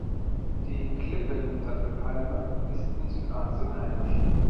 Die Klippen-Dattelpalme ist in Südasien heimisch.